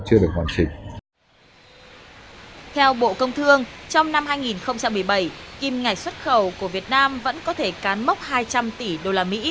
theo bộ công thương trong năm hai nghìn một mươi bảy kim ngạch xuất khẩu của việt nam vẫn có thể cán mốc hai trăm linh tỷ usd